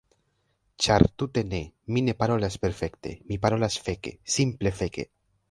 Ĉar tute ne, mi ne parolas perfekte, mi parolas feke! Simple feke!